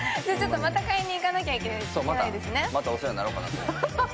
また買いに行かなきゃいけないですね。